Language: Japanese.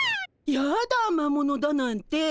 やだ魔物だなんて。